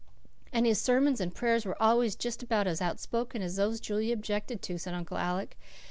"And his sermons and prayers were always just about as outspoken as those Julia objected to," said Uncle Alec.